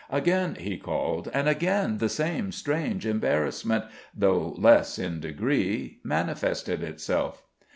Again he called, and again the same strange embarrassment, though less in degree, manifested itself.